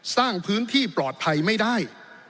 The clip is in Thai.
สร้างพื้นที่ปลอดภัยไม่ได้